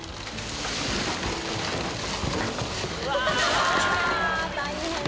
うわ大変だ！